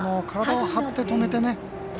体を張って止めてね。